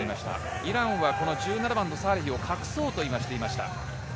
イランはこの１７番・サーレヒを隠そうとしていました。